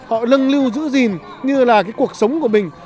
họ lưng lưu giữ gìn như là cái cuộc sống của mình